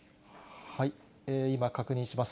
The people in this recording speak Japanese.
今、確認します。